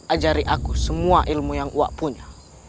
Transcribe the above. ajari aku semua ilmu yang uak punya